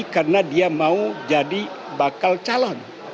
karena dia mau jadi bakal calon